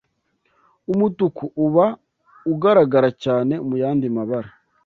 Umutuku uba ugaragara cyane muyandi mabara